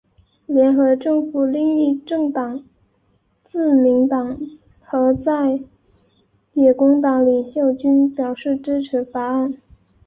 联合政府另一政党自民党和在野工党领袖均表示支持法案。